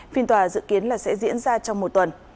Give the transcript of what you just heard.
phiên tòa dự kiến là sẽ diễn ra trong một tuần